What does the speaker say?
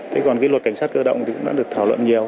thế còn cái luật cảnh sát cơ động thì cũng đã được thảo luận nhiều